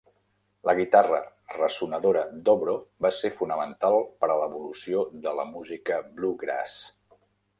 La guitarra ressonadora Dobro va ser fonamental per a l'evolució de la música bluegrass.